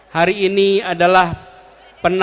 hari ini adalah perjalanan ke jakarta